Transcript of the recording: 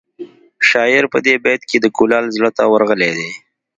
شاعر په دې بیت کې د کلال زړه ته ورغلی دی